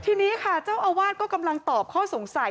ทีนี้ค่ะเจ้าอาวาสก็กำลังตอบข้อสงสัย